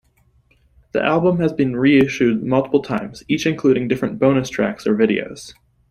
The album has been reissued multiple times, each including different bonus tracks or videos.